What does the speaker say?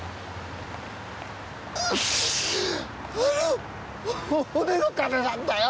あれは俺の金なんだよ。